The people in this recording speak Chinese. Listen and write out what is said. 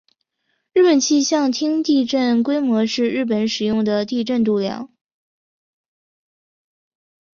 日本气象厅地震规模是日本使用的地震度量。